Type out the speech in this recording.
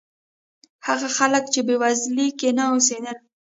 هغه خلک چې بېوزلۍ کې نه اوسېدل.